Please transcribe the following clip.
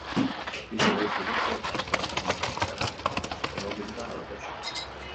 Pisu gutxi dute eta azken tendentzietara egokituta datoz.